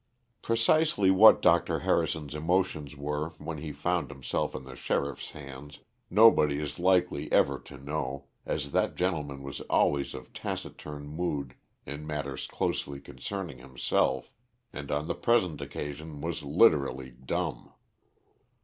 _ Precisely what Dr. Harrison's emotions were when he found himself in the sheriff's hands, nobody is likely ever to know, as that gentleman was always of taciturn mood in matters closely concerning himself, and on the present occasion was literally dumb.